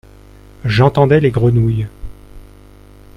J’entendais les grenouilles.